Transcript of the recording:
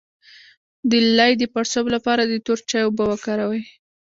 د لۍ د پړسوب لپاره د تور چای اوبه وکاروئ